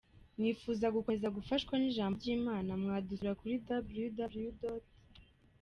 Mwifuza gukomeza gufashwa n’ijambo ry’Imana mwadusura kuri www.